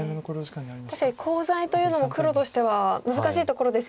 確かにコウ材というのも黒としては難しいところですよね。